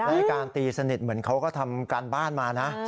และการตีสนิทเหมือนเขาก็ทำการบ้านมานะ